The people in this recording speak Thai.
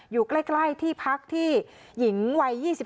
อยู่ใกล้ที่พักที่หญิงวัย๒๓